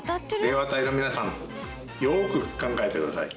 出川隊の皆さんよく考えてください！